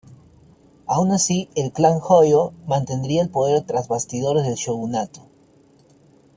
Aun así, el clan Hōjō mantendría el poder tras bastidores del shogunato.